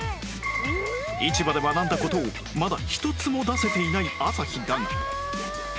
市場で学んだ事をまだ１つも出せていない朝日だが